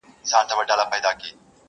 o ستر گه په بڼو نه درنېږي٫